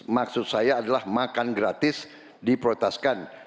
maksud saya adalah makan gratis diprotaskan